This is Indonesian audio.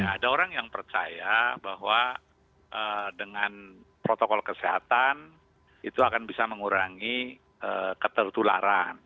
ada orang yang percaya bahwa dengan protokol kesehatan itu akan bisa mengurangi ketertularan